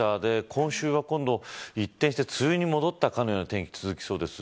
今週は今度、一転して梅雨に戻ったかのような天気が続きそうです。